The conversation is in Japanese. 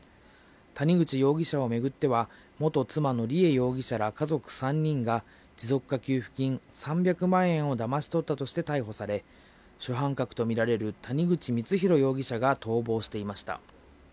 谷口容疑者を巡っては、元妻の梨恵容疑者ら家族３人が、持続化給付金３００万円をだまし取ったとして逮捕され、主犯格と見られる谷口光弘容疑者が逃亡していました。